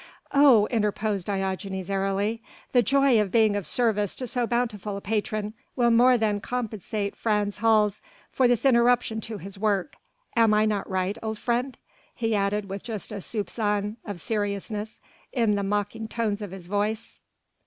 "Oh!" interposed Diogenes airily, "the joy of being of service to so bountiful a patron will more than compensate Frans Hals for this interruption to his work. Am I not right, old friend?" he added with just a soupçon of seriousness in the mocking tones of his voice.